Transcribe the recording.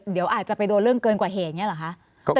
เดี๋ยวอาจจะไปโดนเรื่องเกินกว่าเหตุอย่างนี้เหรอคะ